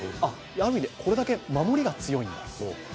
ある意味でこれだけ守りが強いんだ。